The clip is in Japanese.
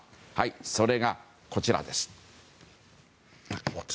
それが、こちらです。